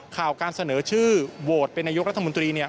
ข้อการเสนอชื่อโหวดเป็นนิตย์นรรษมนตรี